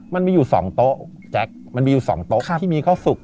มันมีอยู่๒โต๊ะแจ๊คมันมีอยู่๒โต๊ะที่มีข้าวสุก